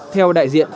theo đại diện